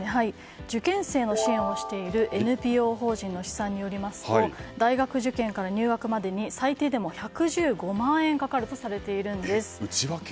受験生の支援をしているＮＰＯ法人の試算によりますと大学受験から入学までに最低でも１１５万円かかるとされているんです。